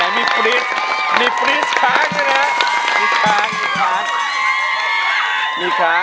มีฟรีดมีฟรีดขลางด้วยนะมีขลางมีขลาง